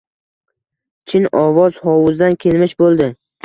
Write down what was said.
Chin, ovoz hovuzdan kelmish bo‘ldi.